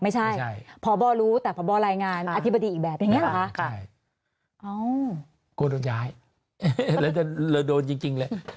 ไม่ใช่ผอบอรู้แต่ผอบอรายงานอธิบดีอีกแบบอย่างเงี้ยเหรอคะใช่อ๋อกลัวโดนย้ายแล้วจะแล้วโดนจริงจริงเลย